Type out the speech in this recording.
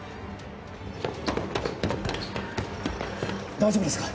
大丈夫ですか？